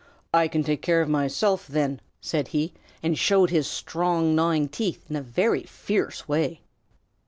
"I can take care of myself then," said he, and showed his strong gnawing teeth in a very fierce way.